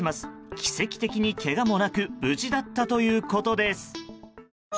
奇跡的にけがもなく無事だったということです。